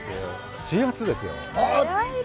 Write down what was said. ７月ですよ。